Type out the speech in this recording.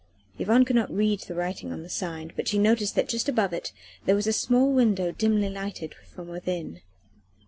Yvonne could not read the writing on the sign, but she noticed that just above it there was a small window dimly lighted from within.